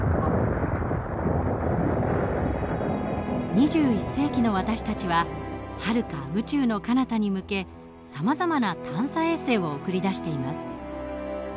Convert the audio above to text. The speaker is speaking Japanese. ２１世紀の私たちははるか宇宙のかなたに向けさまざまな探査衛星を送り出しています。